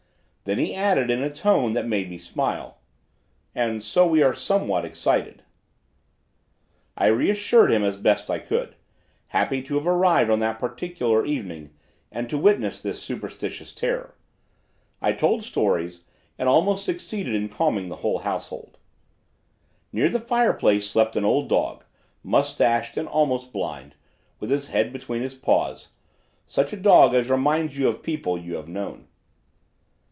"Then he added in a tone that made me smile: "'And so we are somewhat excited.' "I reassured him as best I could, happy to have arrived on that particular evening and to witness this superstitious terror. I told stories and almost succeeded in calming the whole household. "Near the fireplace slept an old dog, mustached and almost blind, with his head between his paws, such a dog as reminds you of people you have known.